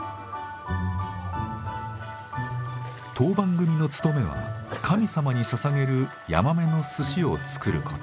当番組の務めは神様に捧げるヤマメのすしを作ること。